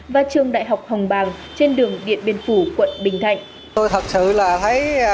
và trường đại học hồng bàng trên đường điện biên phủ quận bình thạnh